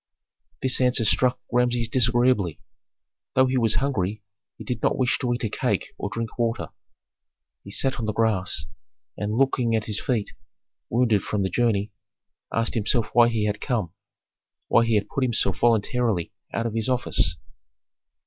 This answer struck Rameses disagreeably. Though he was hungry, he did not wish to eat a cake or drink water. He sat on the grass, and looking at his feet wounded from the journey, asked himself why he had come, why he had put himself voluntarily out of his office.